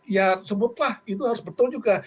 ya sebutlah itu harus betul juga